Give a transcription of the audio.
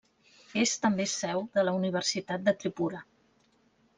És també seu de la Universitat de Tripura.